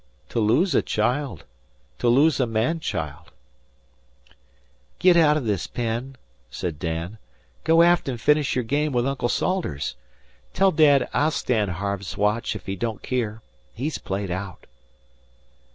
To lose a child to lose a man child!" "Git out o' this, Penn," said Dan. "Go aft and finish your game with Uncle Salters. Tell Dad I'll stand Harve's watch ef he don't keer. He's played aout."